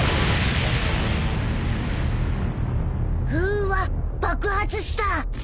［うわ爆発した！］